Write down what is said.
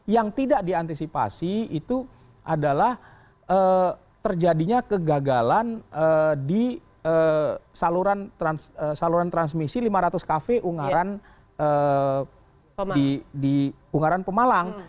yang tidak diantisipasi itu adalah terjadinya kegagalan di saluran transmisi lima ratus kv ungaran di ungaran pemalang